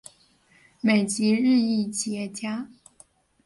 美籍日裔企业家。